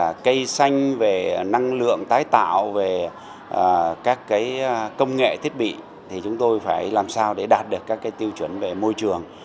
các cây xanh về năng lượng tái tạo về các công nghệ thiết bị thì chúng tôi phải làm sao để đạt được các tiêu chuẩn về môi trường